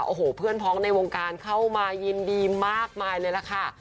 โอ้โหเพื่อนพ้องในวงการเข้ามายินดีมากมายเลยล่ะค่ะ